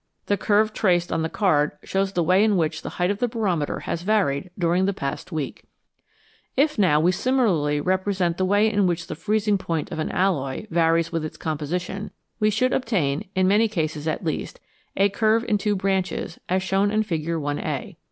The curve traced on the card shows the way in which the height of the barometer has varied during the past week. If, now, we similarly represent the way in which the freezing point of an alloy varies with its composition, we should obtain, in many cases at least, a curve in two branches, as shown in Fig. la.